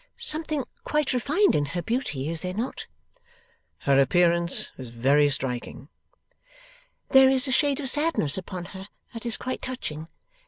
Something quite refined in her beauty, is there not?' 'Her appearance is very striking.' 'There is a shade of sadness upon her that is quite touching.